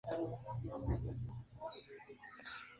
Su rol más prominente ha sido en la serie "The Wire".